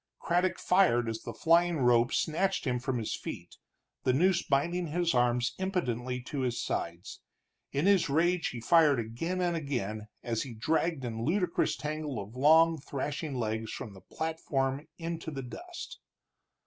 Craddock fired as the flying rope snatched him from his feet, the noose binding his arms impotently to his sides; in his rage he fired again and again as he dragged in ludicrous tangle of long, thrashing legs from the platform into the dust.